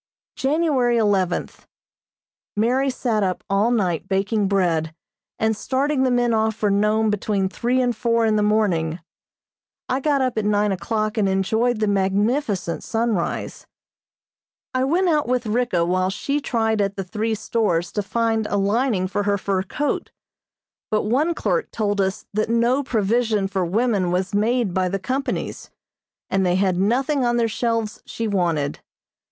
January eleventh: Mary sat up all night baking bread, and starting the men off for Nome between three and four in the morning. I got up at nine o'clock and enjoyed the magnificent sunrise. I went out with Ricka while she tried at the three stores to find a lining for her fur coat, but one clerk told us that no provision for women was made by the companies, and they had nothing on their shelves she wanted.